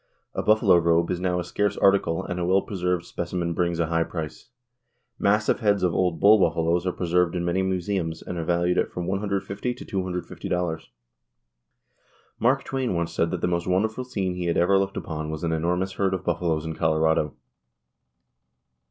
A buffalo robe is now a scarce article and a well preserved specimen brings a high price. Massive heads of old bull buffaloes are preserved in many museums and are valued at from $150 to $250. Mark Twain once said that the most wonderful scene he had ever looked upon was an enormous herd of buffaloes in Colorado.